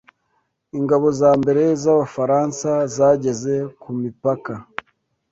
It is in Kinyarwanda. Ingabo za mbere z’Abafaransa zageze ku mipaka